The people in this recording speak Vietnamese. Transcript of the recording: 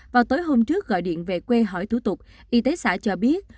vào tối hôm trước gọi điện về quê hỏi thủ tục y tế xã cho biết